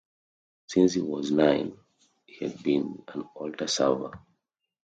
Since he was nine he had been an Altar server.